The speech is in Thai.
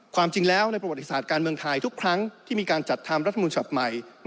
ความจริงแล้วในประวัติศาสตร์การเมืองไทยทุกครั้งที่มีการจัดทำรัฐมนุนฉบับใหม่